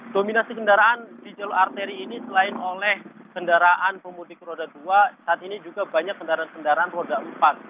dominasi kendaraan di jalur arteri ini selain oleh kendaraan pemudik roda dua saat ini juga banyak kendaraan kendaraan roda empat